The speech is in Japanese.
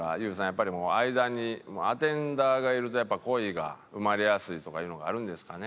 やっぱり間にアテンダーがいるとやっぱ恋が生まれやすいとかいうのがあるんですかね？